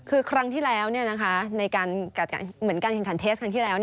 คือครั้งที่แล้วในการแข่งขันเทสครั้งที่แล้ว